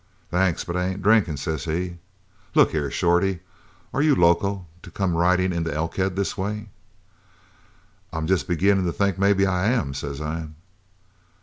"'Thanks, but I ain't drinkin', says he. 'Look here, Shorty, are you loco to come ridin' into Elkhead this way?' "'I'm jest beginnin' to think maybe I am,' says I.